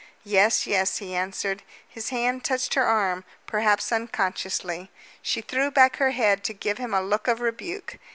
"Yes, yes," he answered. His hand touched her arm, perhaps unconsciously. She threw back her head to give him a look of rebuke.